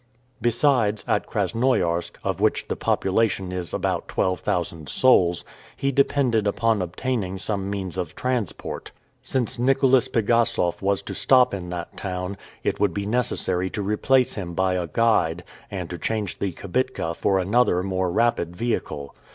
Besides, at Krasnoiarsk, of which the population is about twelve thousand souls, he depended upon obtaining some means of transport. Since Nicholas Pigassof was to stop in that town, it would be necessary to replace him by a guide, and to change the kibitka for another more rapid vehicle.